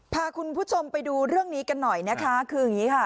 พาคุณผู้ชมไปดูเรื่องนี้กันหน่อยนะคะคืออย่างนี้ค่ะ